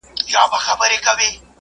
کارخانې څنګه د تولید کیفیت کنټرولوي؟